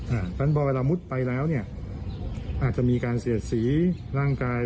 เพราะฉะนั้นพอเวลามุดไปแล้วเนี่ยอาจจะมีการเสียดสีร่างกาย